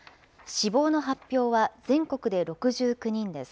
死亡の発表は全国で６９人です。